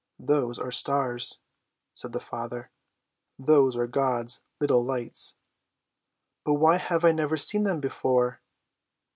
"Those are stars," said the father. "Those are God's little lights." "But why have I never seen them before?"